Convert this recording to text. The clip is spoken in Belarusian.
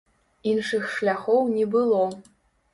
Іншых шляхоў не было.